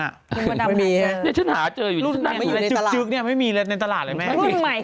ไม่มีไม่อยู่ในตลาดไม่มีในตลาดเลยแม่รุ่นใหม่เพิ่งเสร็จ